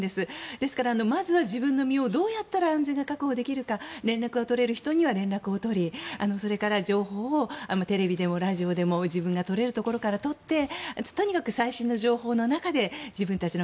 ですからまずは自分の身をどうやったら安全が確保できるか連絡を取れる人には連絡を取り情報をテレビでもラジオでも自分が取れるところから情報を取ってとにかく最新の情報の中で自分たちを